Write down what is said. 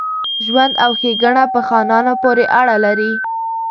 ژوند او ښېګڼه په خانانو پوري اړه لري.